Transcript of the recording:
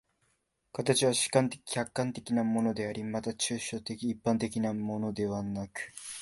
形は主観的・客観的なものであり、また抽象的一般的なものでなく、